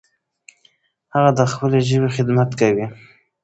هغه د خپلې ژبې خدمت کوي.